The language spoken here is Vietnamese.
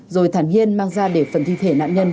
rồi thản hiên mang ra để phần thi thể nạn nhân